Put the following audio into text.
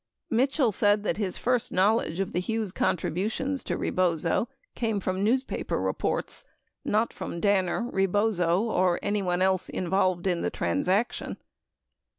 Mitchell said that his first knowledge of the Hushes contributions to Rebozo came from newspaper reports, 24 not from Danner, Rebozo, or anvone else involved in the transaction.